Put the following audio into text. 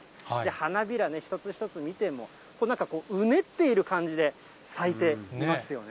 花びらね、一つ一つ見ても、なんかこう、うねっている感じで咲いていますよね。